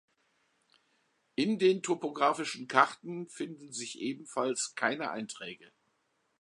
In den topographischen Karten finden sich ebenfalls keine Einträge.